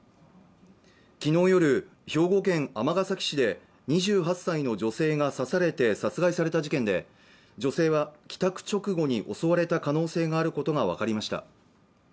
昨日夜、兵庫県尼崎市で２８歳の女性が刺されて殺害された事件で女性は帰宅直後に襲われた可能性があることが分かりました